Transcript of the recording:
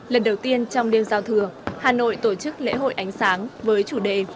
lần đầu tiên trong đêm giao thừa hà nội tổ chức lễ hội ánh sáng với chủ đề